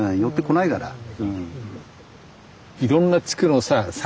いろんな地区のさ桜